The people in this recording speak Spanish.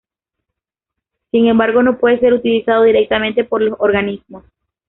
Sin embargo, no puede ser utilizado directamente por los organismos.